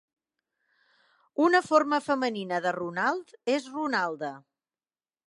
Una forma femenina de "Ronald" és "Ronalda".